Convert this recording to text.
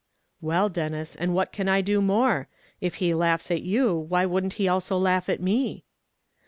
"Well, Denis, and what can I do more; if he laughs at you, why wouldn't he also laugh at me?"